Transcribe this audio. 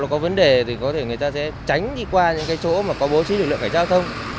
có vấn đề thì có thể người ta sẽ tránh đi qua những cái chỗ mà có bố trí lực lượng cảnh giao thông